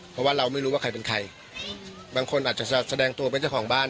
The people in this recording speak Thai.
เพราะว่าเราไม่รู้ว่าใครเป็นใครบางคนอาจจะแสดงตัวเป็นเจ้าของบ้าน